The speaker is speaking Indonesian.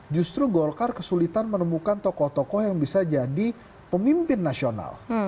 justru golkar kesulitan menemukan tokoh tokoh yang bisa jadi pemimpin nasional